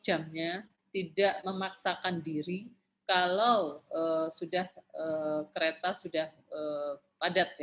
jamnya tidak memaksakan diri kalau kereta sudah padat